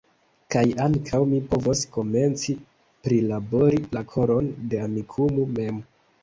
Kaj ankaŭ mi povos komenci prilabori la koron de Amikumu mem.